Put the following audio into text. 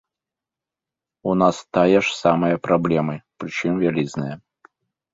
У нас тая ж самая праблемы, прычым вялізная.